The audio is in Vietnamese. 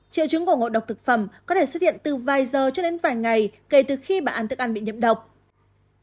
triệu chứng của ngộ độc thực phẩm có thể xuất hiện từ vài giờ cho đến vài ngày kể từ khi bà ăn thức ăn bị nhiễm độc